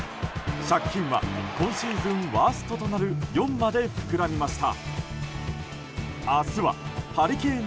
借金は今シーズンワーストとなる４まで膨らみました。